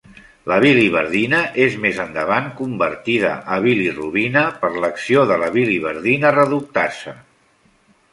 La biliverdina és més endavant convertida a bilirubina per l'acció de la biliverdina reductasa.